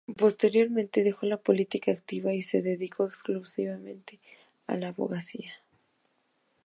Posteriormente dejó la política activa y se dedicó exclusivamente a la abogacía.